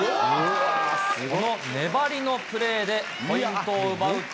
粘りのプレーでポイントを奪うと。